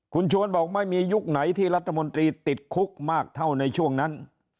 คุณชวนบอกไม่มียุคไหนที่รัฐมนตรีติดคุกมากเท่าในช่วงนั้น